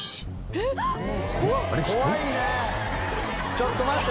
ちょっと待って！